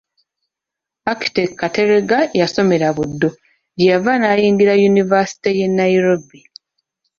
Architect Kateregga yasomera Buddo gye yava n’ayingira yunivasite y’e Nairobi.